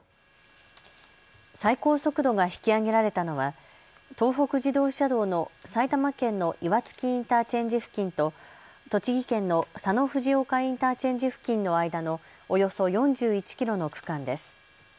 最高速度が引き上げられたのは東北自動車道の埼玉県の岩槻インターチェンジ付近と栃木県の佐野藤岡インターチェンジ付近の間のおよそ４１キロの区間です。